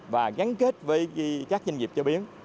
và gắn kết với các doanh nghiệp chế biến